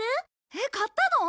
えっ買ったの？